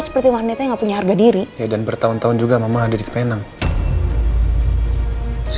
perjumahlah kita ngebahas ini mas